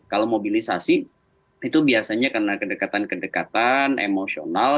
kalau mobilisasi itu biasanya karena kedekatan kedekatan emosional